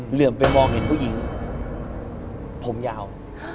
เหลือมไปมองเห็นผู้หญิงผมยาว